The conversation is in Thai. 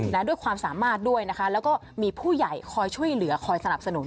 และด้วยความสามารถด้วยนะคะแล้วก็มีผู้ใหญ่คอยช่วยเหลือคอยสนับสนุน